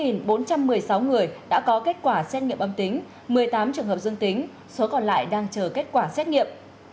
một bốn trăm một mươi sáu người đã có kết quả xét nghiệm âm tính một mươi tám trường hợp dương tính số còn lại đang chờ kết quả xét nghiệm